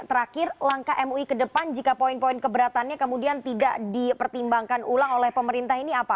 terakhir langkah mui ke depan jika poin poin keberatannya kemudian tidak dipertimbangkan ulang oleh pemerintah ini apa